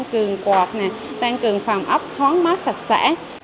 tăng cường quạt tăng cường phòng ấp thoáng mát sạch sẽ